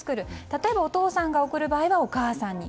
例えばお父さんが送る場合はお母さんに。